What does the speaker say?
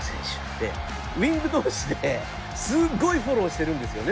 で、ウイング同士ですごいフォローしてるんですよね